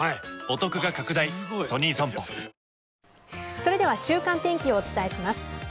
それでは週間天気をお伝えします。